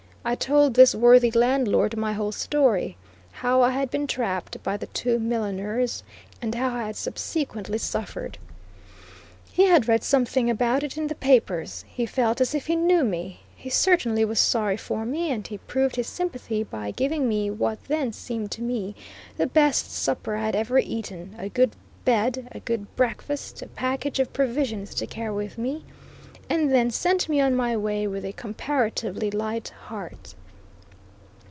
I told this worthy landlord my whole story; how I had been trapped by the two milliners, and how I had subsequently suffered. He had read something about it in the papers; he felt as if he knew me; he certainly was sorry for me; and he proved his sympathy by giving me what then seemed to me the best supper I had ever eaten, a good bed, a good breakfast, a package of provisions to carry with me, and then sent me on my way with a comparatively light heart.